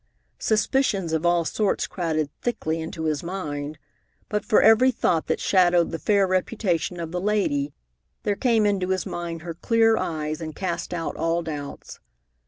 Suspicions of all sorts crowded thickly into his mind, but for every thought that shadowed the fair reputation of the lady, there came into his mind her clear eyes and cast out all doubts.